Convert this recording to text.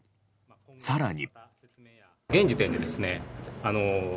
更に。